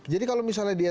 jadi kalau misalnya dia